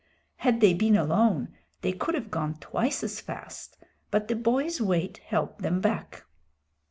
Had they been alone they could have gone twice as fast, but the boy's weight held them back.